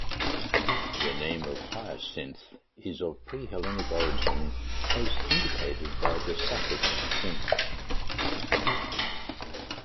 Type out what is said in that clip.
The name of Hyacinth is of pre-Hellenic origin, as indicated by the suffix "-nth".